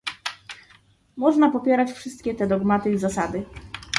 Można popierać wszystkie te dogmaty i zasady